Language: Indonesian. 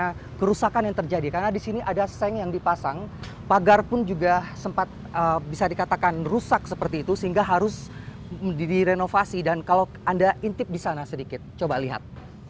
karena kerusakan yang terjadi karena disini ada seng yang dipasang pagar pun juga sempat bisa dikatakan rusak seperti itu sehingga harus direnovasi dan kalau anda intip disana sedikit coba lihat